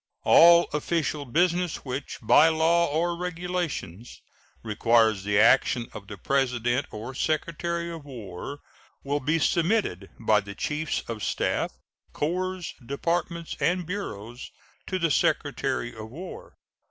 All official business which by law or regulations requires the action of the President or Secretary of War will be submitted by the chiefs of staff corps, departments, and bureaus to the Secretary of War.